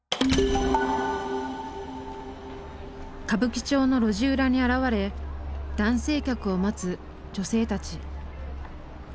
歌舞伎町の路地裏に現れ男性客を待つ女性たち。